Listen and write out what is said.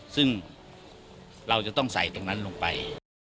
ซึ่งเราจะต้องใส่ตรงนั้นลงไป